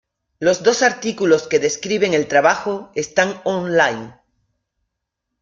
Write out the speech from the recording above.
Los dos artículos que describen el trabajo están online.